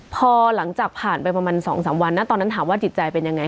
พอหลังจากผ่านไปประมาณ๒๓วันนะตอนนั้นถามว่าจิตใจเป็นยังไง